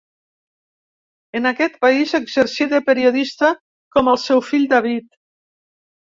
En aquest país exercí de periodista com el seu fill David.